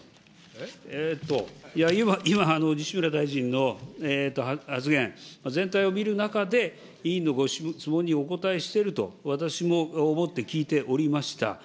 今、西村大臣の発言、全体を見る中で、委員のご質問にお答えしていると、私も思って聞いておりました。